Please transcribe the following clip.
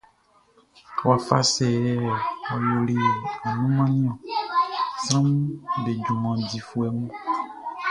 Wafa sɛ yɛ ɔ yoli annunman ni sranʼm be junman difuɛ mun?